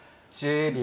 １０秒。